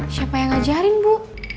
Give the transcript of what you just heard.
siapa yang ngajarin bu